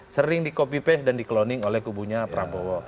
sering di copy paste dan di cloning oleh kubunya prabowo